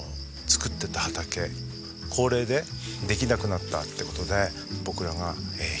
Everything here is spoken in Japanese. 高齢でできなくなったって事で僕らが引き継いだ。